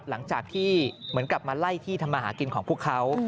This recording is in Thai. หลังจากที่เหมือนกลับมาไล่ที่ทำมาหากินของพวกเขา